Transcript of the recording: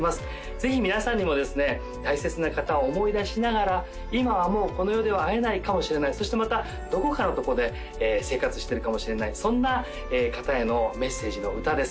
ぜひ皆さんにもですね大切な方を思い出しながら今はもうこの世では会えないかもしれないそしてまたどこかのとこで生活してるかもしれないそんな方へのメッセージの歌です